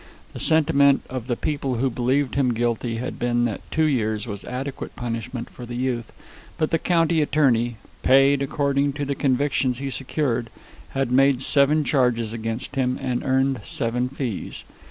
The sentiment of the people who believed him guilty had been that two years was adequate punishment for the youth, but the county attorney, paid according to the convictions he secured, had made seven charges against him and earned seven fees.